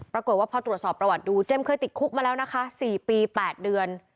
ปรากฏว่าพอตรวจสอบประวัติดูเจมส์เคยติดคุกมาแล้วนะคะ๔ปี๘เดือน